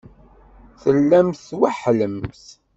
Tellamt tweḥḥlemt.